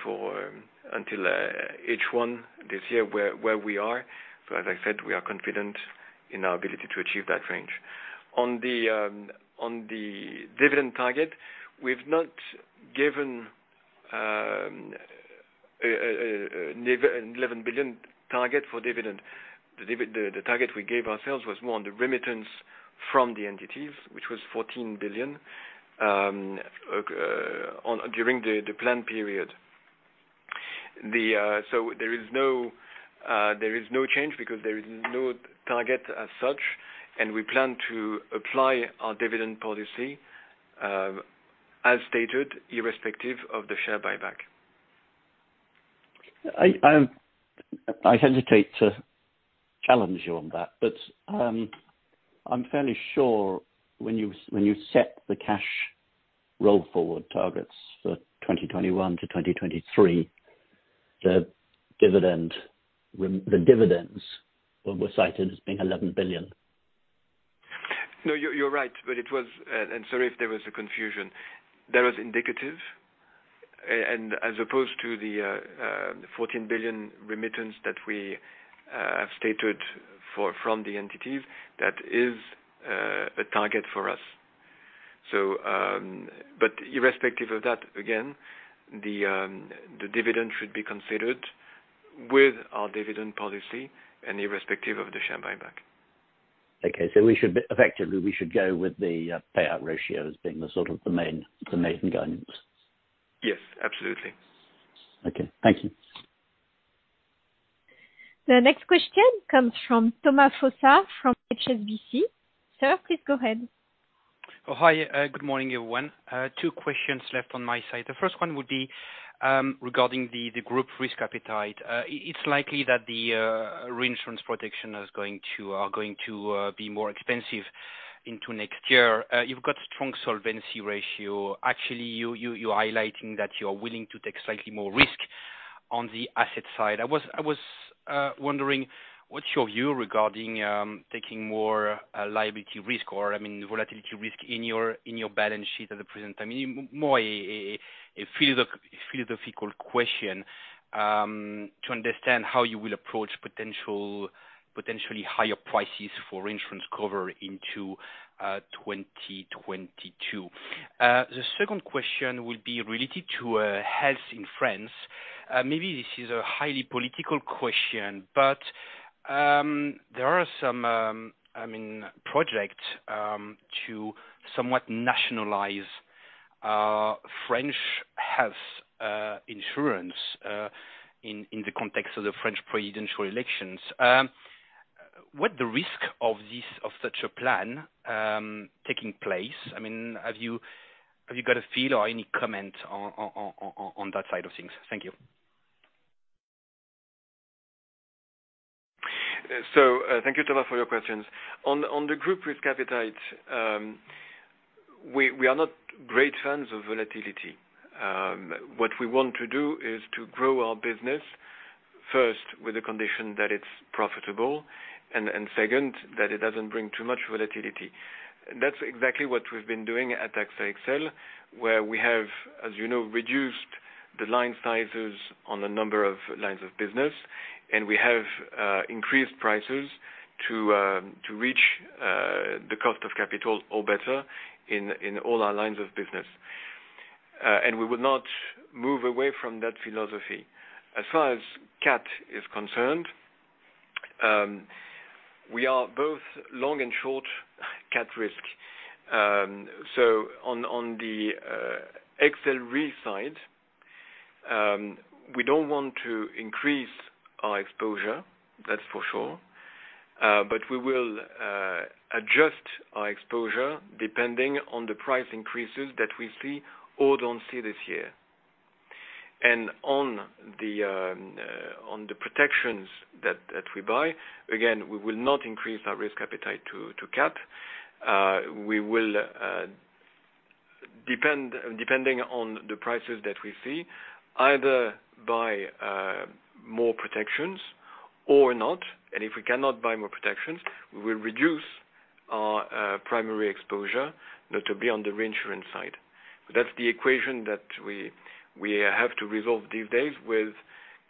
until H1 this year where we are. As I said, we are confident in our ability to achieve that range. On the dividend target, we've not given 11 billion target for dividend. The target we gave ourselves was more on the remittance from the entities, which was 14 billion over the plan period. There is no change because there is no target as such, and we plan to apply our dividend policy, as stated, irrespective of the share buyback. I hesitate to challenge you on that, but I'm fairly sure when you set the cash roll forward targets for 2021-2023, the dividends were cited as being 11 billion. No, you're right, but it was, and sorry if there was a confusion. That was indicative, and as opposed to the 14 billion remittance that we have stated for from the entities, that is a target for us. Irrespective of that, again, the dividend should be considered with our dividend policy and irrespective of the share buyback. Effectively, we should go with the payout ratio as being sort of the main guidance. Yes, absolutely. Okay. Thank you. The next question comes from Thomas Fossard from HSBC. Sir, please go ahead. Oh, hi. Good morning, everyone. Two questions left on my side. The first one would be regarding the group risk appetite. It's likely that the reinsurance protection is going to be more expensive into next year. You've got strong solvency ratio. Actually, you're highlighting that you're willing to take slightly more risk on the asset side. I was wondering, what's your view regarding taking more liability risk or, I mean, volatility risk in your balance sheet at the present time? I mean, more a philosophical question to understand how you will approach potential, potentially higher prices for insurance cover into 2022. The second question would be related to health in France. Maybe this is a highly political question. There are some, I mean, project to somewhat nationalize French health insurance in the context of the French presidential elections. What the risk of this, of such a plan, taking place? I mean, have you got a feel or any comment on that side of things? Thank you. Thank you Thomas Fossard, for your questions. On the group risk appetite, we are not great fans of volatility. What we want to do is to grow our business first with the condition that it's profitable, and second, that it doesn't bring too much volatility. That's exactly what we've been doing at AXA XL, where we have, as you know, reduced the line sizes on a number of lines of business. We have increased prices to reach the cost of capital or better in all our lines of business. We will not move away from that philosophy. As far as CAT is concerned, we are both long and short CAT risk. So on the XL Re side, we don't want to increase our exposure, that's for sure. We will adjust our exposure depending on the price increases that we see or don't see this year. On the protections that we buy, again, we will not increase our risk appetite to CAT. We will, depending on the prices that we see, either buy more protections or not, and if we cannot buy more protections, we will reduce our primary exposure, that will be on the reinsurance side. That's the equation that we have to resolve these days with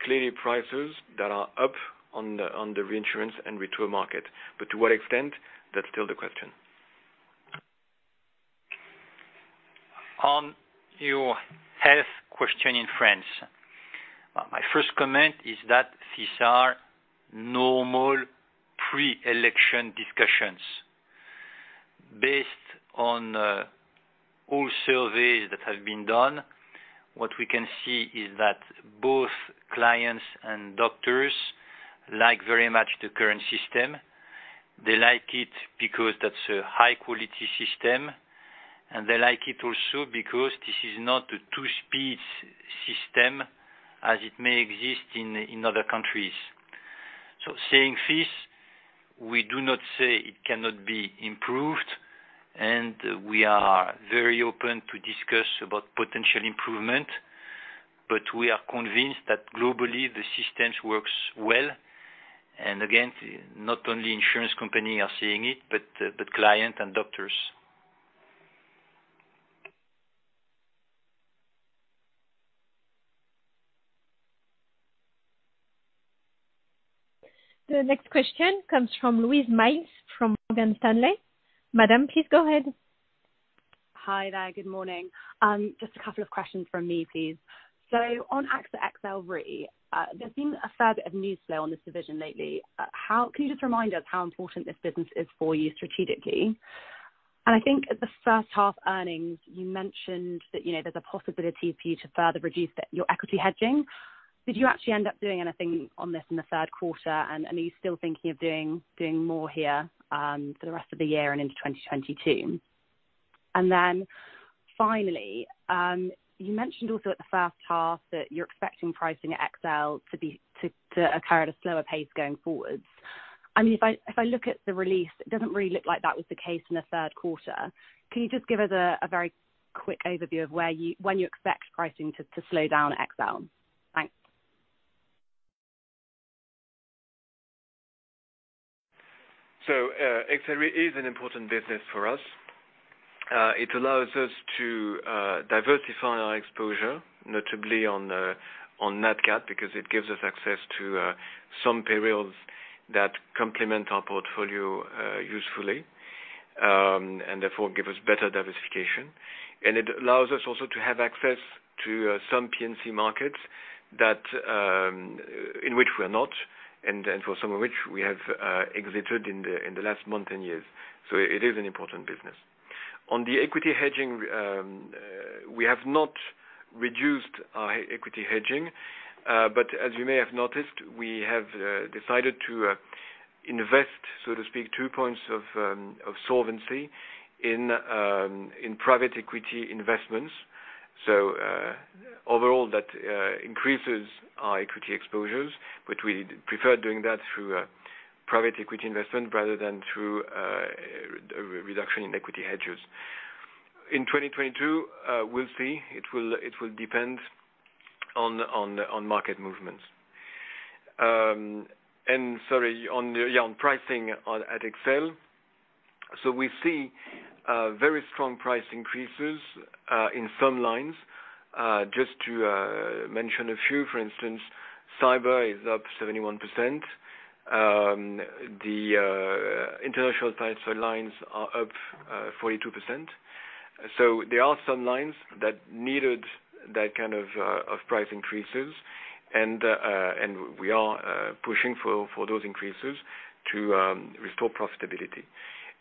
clearly prices that are up on the reinsurance and retro market. To what extent, that's still the question. On your health question in France. My first comment is that these are normal pre-election discussions. Based on all surveys that have been done, what we can see is that both clients and doctors like very much the current system. They like it because that's a high quality system, and they like it also because this is not a two-speed system as it may exist in other countries. Saying this, we do not say it cannot be improved, and we are very open to discuss about potential improvement, but we are convinced that globally, the system works well. Again, not only insurance company are seeing it, but client and doctors. The next question comes from Louise Miles, from Morgan Stanley. Madam, please go ahead. Hi there. Good morning. Just a couple of questions from me, please. On AXA XL Re, there's been a fair bit of news flow on this division lately. Can you just remind us how important this business is for you strategically? I think at the first half earnings, you mentioned that, you know, there's a possibility for you to further reduce the, your equity hedging. Did you actually end up doing anything on this in the third quarter? Are you still thinking of doing more here, for the rest of the year and into 2022? Finally, you mentioned also at the first half that you're expecting pricing at XL to occur at a slower pace going forward. I mean, if I look at the release, it doesn't really look like that was the case in the third quarter. Can you just give us a very quick overview of when you expect pricing to slow down at XL? Thanks. XL Re is an important business for us. It allows us to diversify our exposure, notably on Nat Cat, because it gives us access to some periods that complement our portfolio usefully. Therefore give us better diversification. It allows us also to have access to some P&C markets that in which we're not, and then for some of which we have exited in the last 10 years. It is an important business. On the equity hedging, we have not reduced our equity hedging, but as you may have noticed, we have decided to invest, so to speak, two points of solvency in private equity investments. Overall that increases our equity exposures, but we prefer doing that through private equity investment rather than through reduction in equity hedges. In 2022, we'll see. It will depend on market movements, and on pricing at XL. We see very strong price increases in some lines. Just to mention a few, for instance, cyber is up 71%. The international types of lines are up 42%. There are some lines that needed that kind of price increases. We are pushing for those increases to restore profitability.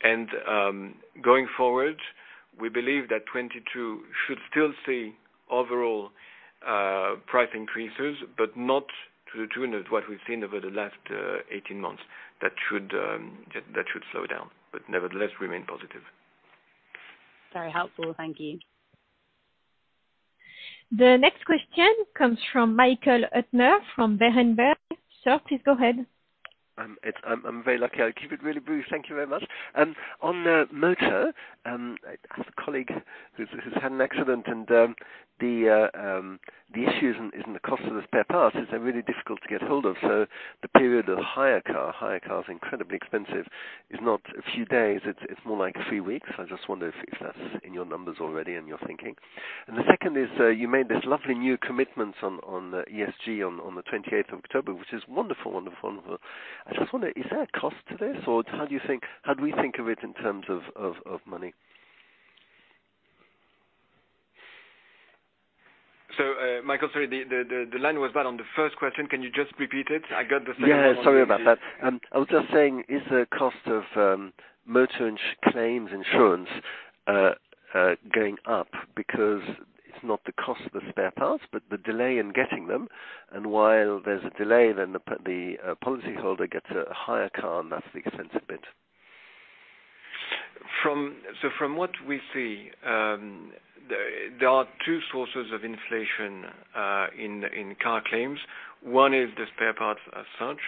Going forward, we believe that 2022 should still see overall price increases, but not to the tune of what we've seen over the last eighteen months. That should slow down, but nevertheless remain positive. Very helpful. Thank you. The next question comes from Michael Huttner from Berenberg. Sir, please go ahead. I'm very lucky. I'll keep it really brief. Thank you very much. On the motor, as a colleague who's had an accident and the issues aren't the cost of the spare parts. They're really difficult to get hold of. So the period of hire car is incredibly expensive. It's not a few days, it's more like three weeks. I just wonder if that's in your numbers already in your thinking. The second is, you made this lovely new commitment on ESG on the twenty-eighth of October, which is wonderful, wonderful. I just wonder, is there a cost to this, or how do we think of it in terms of money? Michael, sorry, the line was bad on the first question. Can you just repeat it? I got the second one really well. Yeah, sorry about that. I was just saying, is the cost of motor insurance claims going up because it's not the cost of the spare parts, but the delay in getting them? While there's a delay, then the policy holder gets a higher car, and that's the expensive bit. From what we see, there are two sources of inflation in car claims. One is the spare parts as such,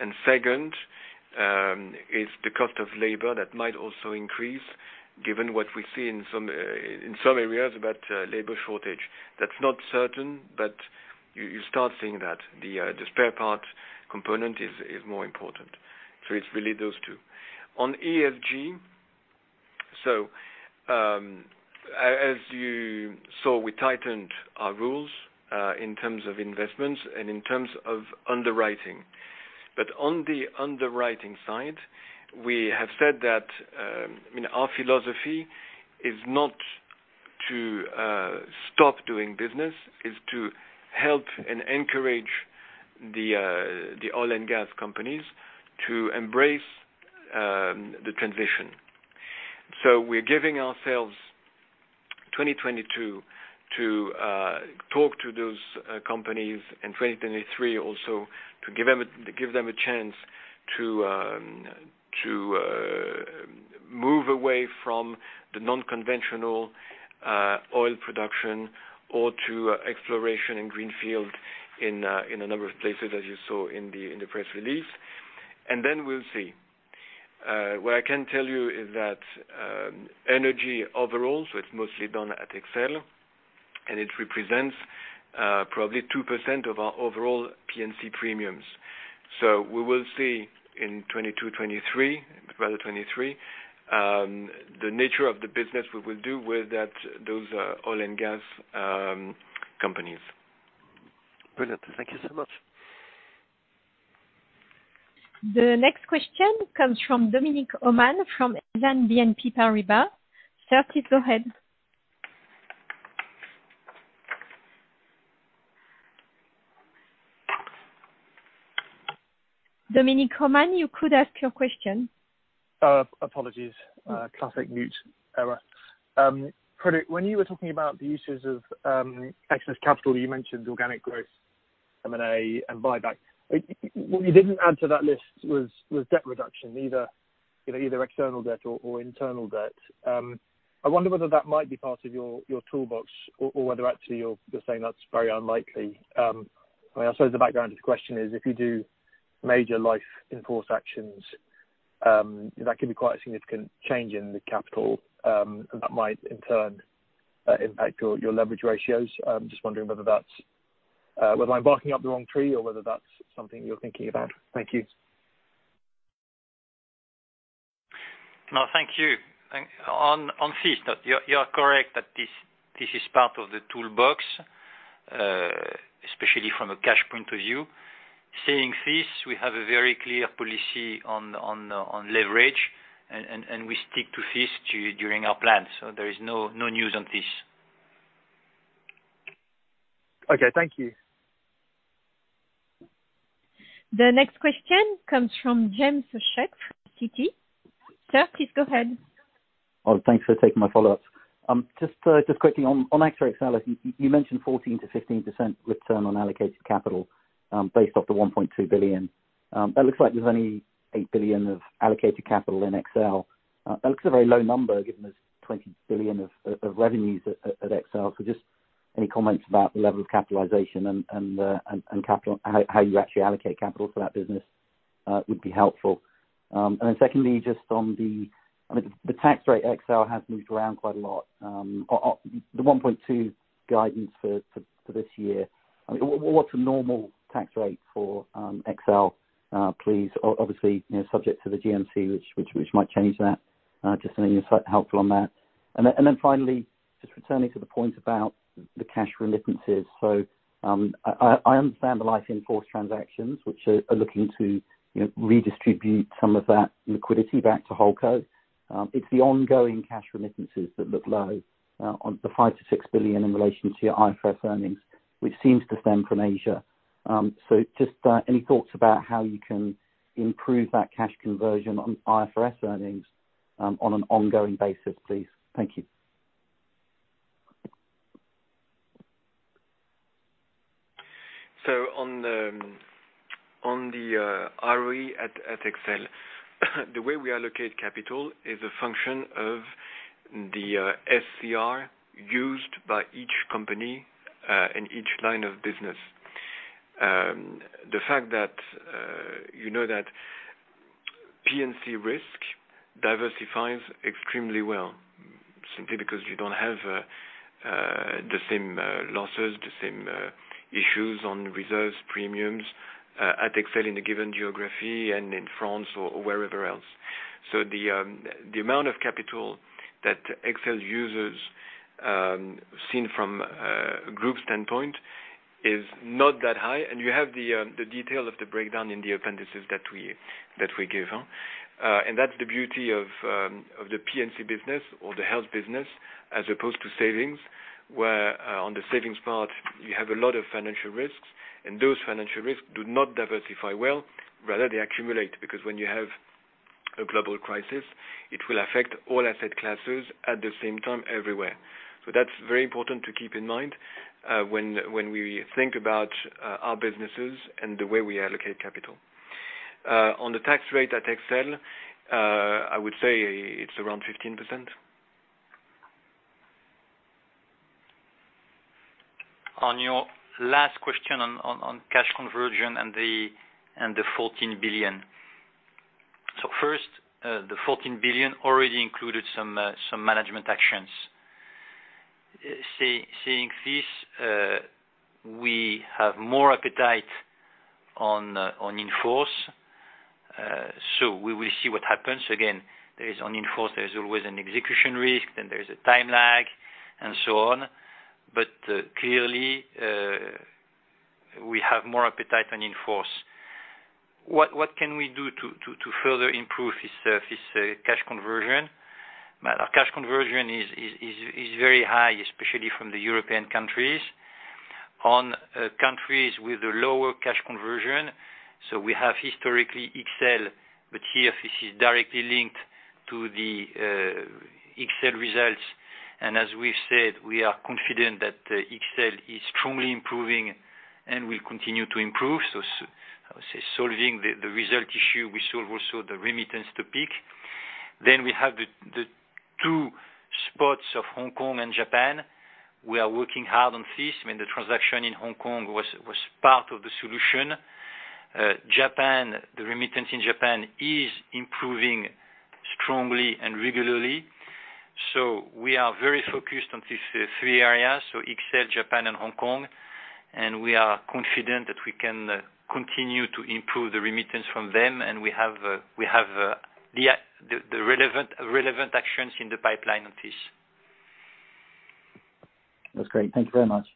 and second is the cost of labor that might also increase given what we see in some areas about labor shortage. That's not certain, but you start seeing that the spare parts component is more important. It's really those two. On ESG, as you saw, we tightened our rules in terms of investments and in terms of underwriting. On the underwriting side, we have said that, I mean, our philosophy is not to stop doing business, is to help and encourage the oil and gas companies to embrace the transition. We're giving ourselves 2022 to talk to those companies in 2023, also to give them a chance to move away from the non-conventional oil production or to exploration in greenfield in a number of places, as you saw in the press release. Then we'll see. What I can tell you is that energy overall, so it's mostly done at AXA XL, and it represents probably 2% of our overall P&C premiums. We will see in 2022, 2023, rather 2023, the nature of the business we will do with those oil and gas companies. Brilliant. Thank you so much. The next question comes from Dominic O'Mahony from Exane BNP Paribas. Sir, please go ahead. Dominic O'Mahony, you could ask your question. Apologies. Classic mute error. When you were talking about the uses of excess capital, you mentioned organic growth, M&A, and buyback. What you didn't add to that list was debt reduction, either, you know, either external debt or internal debt. I wonder whether that might be part of your toolbox or whether actually you're saying that's very unlikely. I suppose the background of the question is if you do major life in-force actions, that could be quite a significant change in the capital, and that might in turn impact your leverage ratios. I'm just wondering whether I'm barking up the wrong tree or whether that's something you're thinking about. Thank you. No, thank you. On this, you are correct that this is part of the toolbox, especially from a cash point of view. Saying this, we have a very clear policy on leverage and we stick to this during our plan, so there is no news on this. Okay, thank you. The next question comes from James Shuck from Citi. Sir, please go ahead. Oh, thanks for taking my follow-up. Just quickly on actual AXA XL, you mentioned 14%-15% return on allocated capital, based off the 1.2 billion. That looks like there's only 8 billion of allocated capital in AXA XL. That looks a very low number given there's 20 billion of revenues at AXA XL. So just any comments about the level of capitalization and capital, how you actually allocate capital to that business, would be helpful. And then secondly, just on the tax rate AXA XL has moved around quite a lot. The 1.2 billion guidance for this year. I mean, what's a normal tax rate for AXA XL, please, obviously, you know, subject to the GMT which might change that. Just something helpful on that. Then finally Just returning to the point about the cash remittances. I understand the life in force transactions which are looking to, you know, redistribute some of that liquidity back to HOLDCO. It's the ongoing cash remittances that look low on the 5 billion-6 billion in relation to your IFRS earnings, which seems to stem from Asia. Just any thoughts about how you can improve that cash conversion on IFRS earnings on an ongoing basis, please? Thank you. On the ROE at AXA XL, the way we allocate capital is a function of the SCR used by each company in each line of business. The fact that you know that P&C risk diversifies extremely well simply because you don't have the same losses, the same issues on reserves premiums at AXA XL in a given geography and in France or wherever else. The amount of capital that AXA XL uses, seen from a group standpoint, is not that high. You have the detail of the breakdown in the appendices that we give. That's the beauty of the P&C business or the health business as opposed to savings, where on the savings part you have a lot of financial risks, and those financial risks do not diversify well. Rather, they accumulate because when you have a global crisis, it will affect all asset classes at the same time everywhere. That's very important to keep in mind when we think about our businesses and the way we allocate capital. On the tax rate at AXA XL, I would say it's around 15%. On your last question on cash conversion and the 14 billion. First, the 14 billion already included some management actions. Saying this, we have more appetite on in-force, so we will see what happens. Again, there is on in-force, there is always an execution risk, then there is a time lag and so on. Clearly, we have more appetite on in-force. What can we do to further improve this cash conversion? Cash conversion is very high, especially from the European countries. On countries with a lower cash conversion, so we have historically AXA XL, but here this is directly linked to the AXA XL results. As we've said, we are confident that AXA XL is strongly improving and will continue to improve. As we solve the residual issue, we solve also the remittance to peak. We have the two spots of Hong Kong and Japan. We are working hard on this. I mean, the transaction in Hong Kong was part of the solution. Japan, the remittance in Japan is improving strongly and regularly. We are very focused on these three areas, XL, Japan and Hong Kong. We have the relevant actions in the pipeline on this. That's great. Thank you very much.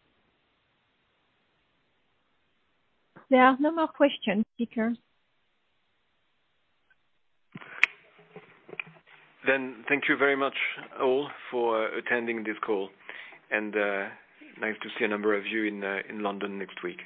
There are no more questions, speaker. Thank you very much all for attending this call, and nice to see a number of you in London next week.